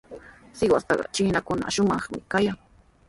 Sihuastraw chiinakunaqa shumaqmi kayan.